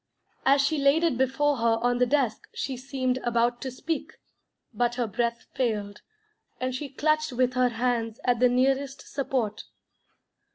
As she laid it before her on the desk, she seemed about to speak, but her breath failed, and she clutched with her hands at the nearest support.